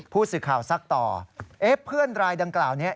ผู้สื่อข่าวซักต่อเพื่อนรายดังกล่าวนี้